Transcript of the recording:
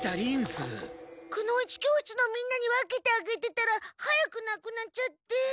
くの一教室のみんなに分けてあげてたら早くなくなっちゃって。